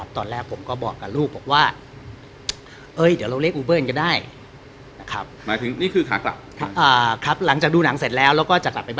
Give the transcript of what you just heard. ตอนแรกผมก็บอกกับลูกว่าเดี๋ยวเราเรียกอุเบิร์นก็ได้